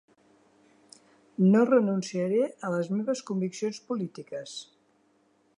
No renunciaré a les meves conviccions polítiques.